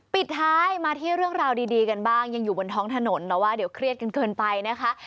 ปิดท้ายมาที่เรื่องราวดีกันบ้างยังอยู่บนท้องถนนแต่ว่าเดี๋ยวเครียดกันเกินไปนะคะ